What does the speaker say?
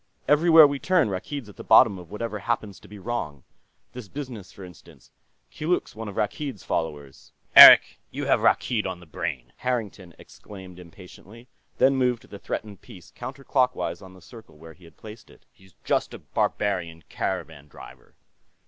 Everywhere we turn, Rakkeed's at the bottom of whatever happens to be wrong. This business, for instance; Keeluk's one of Rakkeed's followers." "Eric, you have Rakkeed on the brain!" Harrington exclaimed impatiently, then moved the threatened piece counterclockwise on the circle where he had placed it. "He's just a barbarian caravan driver."